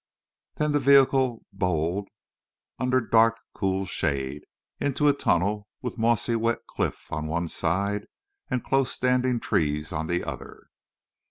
Then the vehicle bowled under dark cool shade, into a tunnel with mossy wet cliff on one side, and close standing trees on the other.